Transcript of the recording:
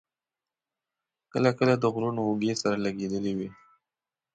کله کله د غرونو اوږې سره لګېدلې وې.